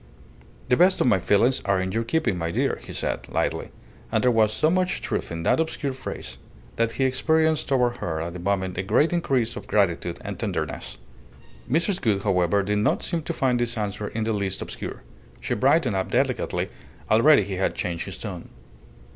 "The best of my feelings are in your keeping, my dear," he said, lightly; and there was so much truth in that obscure phrase that he experienced towards her at the moment a great increase of gratitude and tenderness. Mrs. Gould, however, did not seem to find this answer in the least obscure. She brightened up delicately; already he had changed his tone.